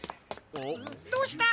どうした？